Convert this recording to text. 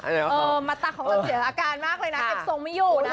มาตาของเธอเสียอาการมากเลยนะเก็บทรงไม่อยู่นะ